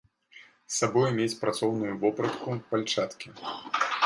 З сабою мець працоўную вопратку, пальчаткі.